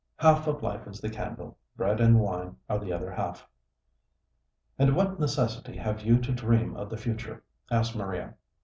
_'" (Half of life is the candle; bread and wine are the other half.) "And what necessity have you to dream of the future?" asked Maria.